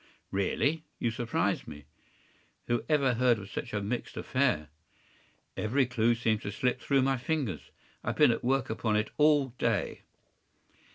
” “Really! You surprise me.” “Who ever heard of such a mixed affair? Every clew seems to slip through my fingers. I have been at work upon it all day.